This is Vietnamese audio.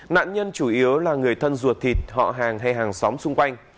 nạn nhân chủ yếu là người thân ruột thịt họ hàng hay hàng xóm xung quanh